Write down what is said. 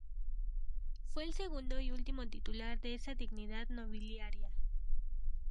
Fue el segundo y último titular de esa dignidad nobiliaria.